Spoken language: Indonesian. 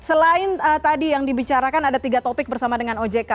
selain tadi yang dibicarakan ada tiga topik bersama dengan ojk